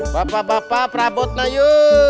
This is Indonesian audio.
bapak bapak prabot nayu